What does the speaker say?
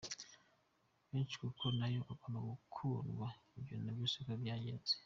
benshi kuko nayo igomba gukundwa ibyo nabyo siko byagenze.